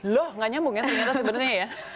loh gak nyambung ya ternyata sebenarnya ya